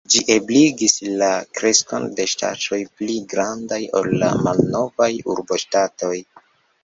Ĝi ebligis la kreskon de ŝtatoj pli grandaj ol la malnovaj urboŝtatoj.